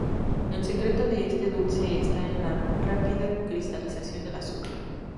El secreto de este dulce está en la rápida cristalización del azúcar.